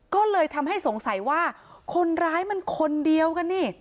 ก็เลยทำให้สงสัยว่าคนร้ายมันคนเดียวกันนี่